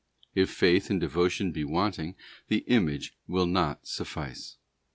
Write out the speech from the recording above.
If faith and devotion be wanting, the image will not suffice.